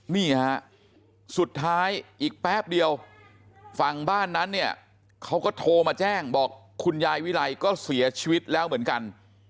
นี่ฮะสุดท้ายอีกแป๊บเดียวฝั่งบ้านนั้นเนี่ยเขาก็โทรมาแจ้งบอกคุณยายวิไลก็เสียชีวิตแล้วเหมือนกัน